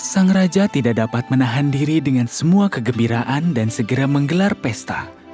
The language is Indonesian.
sang raja tidak dapat menahan diri dengan semua kegembiraan dan segera menggelar pesta